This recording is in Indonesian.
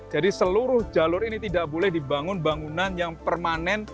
jadi seluruh jalur ini tidak boleh dibangun bangunan yang permanen